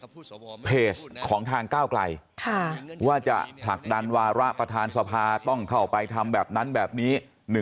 เพจของทางก้าวไกลว่าจะผลักดันวาระประธานสภาต้องเข้าไปทำแบบนั้นแบบนี้